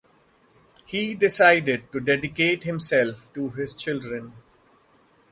He decided to dedicate himself to his children.